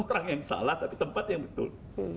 orang yang salah tapi tempat yang betul